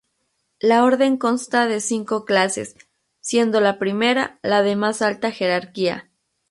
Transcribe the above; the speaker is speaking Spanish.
La orden consta de cinco clases, siendo la I la de más alta jerarquía.